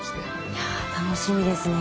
いや楽しみですね。